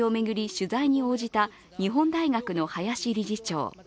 取材に応じた日本大学の林理事長。